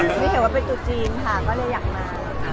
ไม่เห็นว่าเป็นตุจีนค่ะก็เลยอยากมา